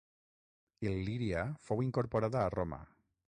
Il·líria fou incorporada a Roma.